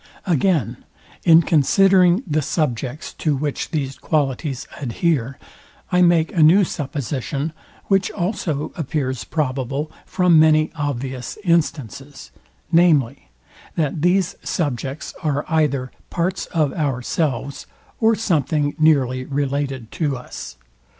Again, in considering the subjects, to which these qualities adhere, I make a new supposition, which also appears probable from many obvious instances, viz, that these subjects are either parts of ourselves, or something nearly related to us.